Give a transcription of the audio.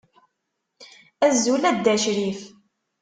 Azul a Dda crif.